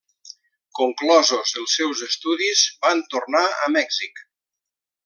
Conclosos els seus estudis, van tornar a Mèxic.